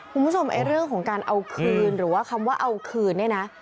คุณผู้ชมไอ้เรื่องของการเอาคืนหรือว่าคำว่าเอาคืนเนี่ยนะ